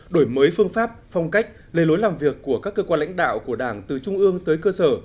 đổi mới phương pháp phong cách lề lối làm việc của các cơ quan lãnh đạo của đảng từ trung ương tới cơ sở